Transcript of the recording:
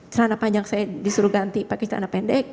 cerana panjang saya disuruh ganti pakai cerana pendek